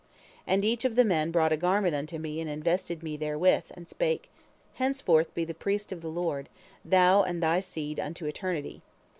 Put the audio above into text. And each of the men brought a garment unto me and invested me therewith, and spake: 'Henceforth be the priest of the Lord, thou and thy seed unto eternity.